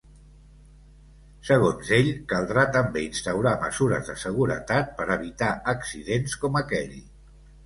Segons ell, caldrà també instaurar mesures de seguretat per evitar accidents com aquell.